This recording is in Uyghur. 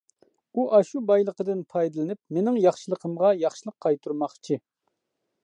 ئۇ ئاشۇ بايلىقىدىن پايدىلىنىپ مېنىڭ ياخشىلىقىمغا ياخشىلىق قايتۇرماقچى.